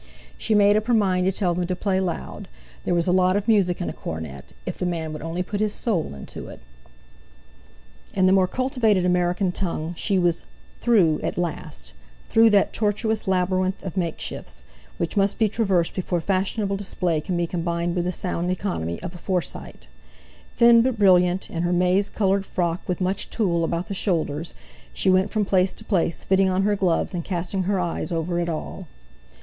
She made up her mind to tell them to play loud—there was a lot of music in a cornet, if the man would only put his soul into it. In the more cultivated American tongue, she was "through" at last—through that tortuous labyrinth of make shifts, which must be traversed before fashionable display can be combined with the sound economy of a Forsyte. Thin but brilliant, in her maize coloured frock with much tulle about the shoulders, she went from place to place, fitting on her gloves, and casting her eye over it all.